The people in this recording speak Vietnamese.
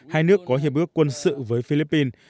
hai nước có hiệp ước quân sự với philippines